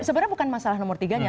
sebenarnya bukan masalah nomor tiga nya